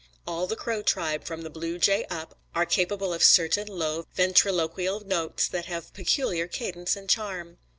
All the crow tribe, from the blue jay up, are capable of certain low ventriloquial notes that have peculiar cadence and charm.